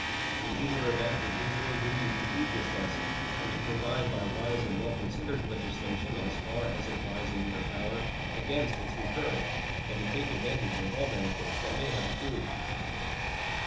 In either event it is your duty to heed the lesson and to provide by wise and well considered legislation, as far as it lies in your power, against its recurrence, and to take advantage of all benefits that may have accrued.